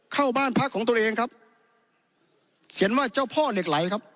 เข้าบ้านพักของตัวเองครับเขียนว่าเจ้าพ่อเหล็กไหลครับ